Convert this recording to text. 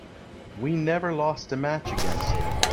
We never lost a match against them.